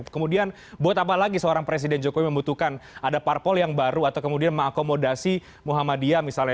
kemudian buat apa lagi seorang presiden jokowi membutuhkan ada parpol yang baru atau kemudian mengakomodasi muhammadiyah misalnya